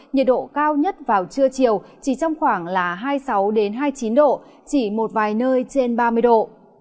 nhiệt độ cao nhất vào trưa chiều chỉ trong khoảng là hai mươi sáu hai mươi chín độ chỉ một vài nơi trên ba mươi độ